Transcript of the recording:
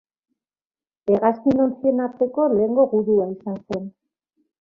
Hegazkin ontzien arteko lehengo gudua izan zen.